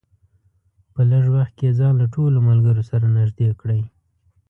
په لږ وخت کې یې ځان له ټولو ملګرو سره نږدې کړی.